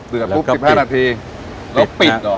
เดือดปุ๊บ๑๕นาทีแล้วปิดหรอ